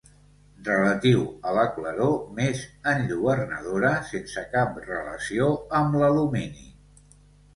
Relatiu a la claror més enlluernadora, sense cap relació amb l'alumini.